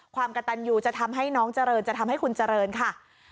ความกระตันยูจะทำให้น้องเจริญจะทำให้คุณเจริญค่ะ